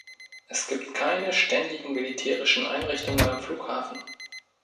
Es gibt keine ständigen militärischen Einrichtungen am Flughafen.